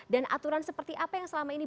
dan aturan seperti apa yang selama ini